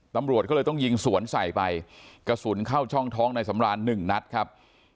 ตำรวจก็เลยต้องยิงสวนใส่ไปกระสุนเข้าช่องท้องนายสำรานหนึ่งนัดครับ